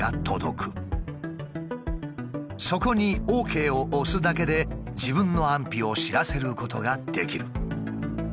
そこにＯＫを押すだけで自分の安否を知らせることができる。